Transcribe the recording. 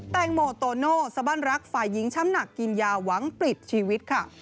แตงโมโตโน่สบั้นรักฝ่ายหญิงช้ำหนักกินยาหวังปลิดชีวิตค่ะ